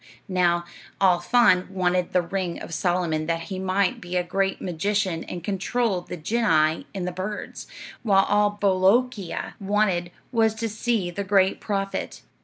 "Now, Al Faan wanted the ring of Solomon that he might be a great magician and control the genii and the birds, while all Bolookeea wanted was to see the great prophet.